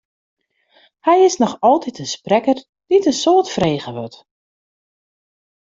Hy is noch altyd in sprekker dy't in soad frege wurdt.